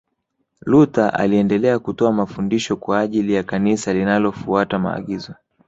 Luther aliendelea kutoa mafundisho kwa ajili ya Kanisa linalofuata maagizo